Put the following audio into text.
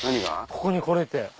ここに来れて。